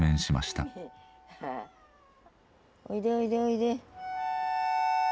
おいでおいでおいで。